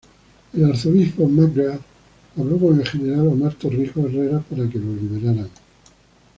El Arzobispo McGrath habló con el general Omar Torrijos Herrera para que lo liberaran.